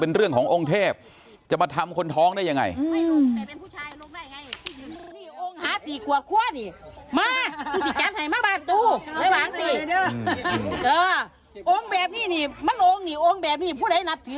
เป็นเรื่องขององค์เทพจะมาทำคนท้องได้ยังไง